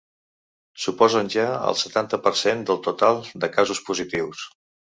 Suposen ja el setanta per cent del total de casos positius.